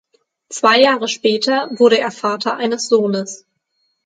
Zwei Jahre später wurde er Vater eines Sohnes.